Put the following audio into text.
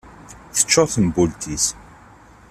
Tecčur tembult-is.